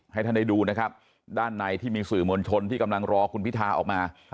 ให้ท่านได้ดูนะครับด้านในที่มีสื่อมวลชนที่กำลังรอคุณพิธาออกมา